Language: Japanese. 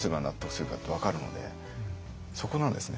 そこなんですね。